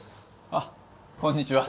あっこんにちは。